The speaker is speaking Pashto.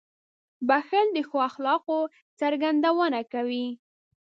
• بښل د ښو اخلاقو څرګندونه کوي.